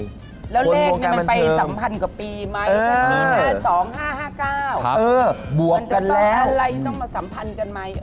แล้วเลขนี่มันไปสัมพันธ์กับปีไหมใช่ไหมครับมี๕๒๕๕๙มันจะต้องอะไรต้องมาสัมพันธ์กันไหม